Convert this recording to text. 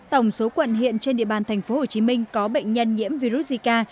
tổng số quận hiện trên địa bàn tp hcm có bệnh nhân nhiễm virus zika